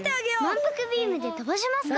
まんぷくビームでとばしますか？